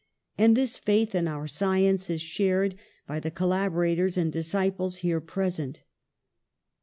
And this faith in our science is shared by the collaborat ors and disciples here present.